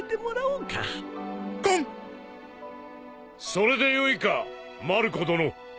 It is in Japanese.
それでよいかマルコ殿。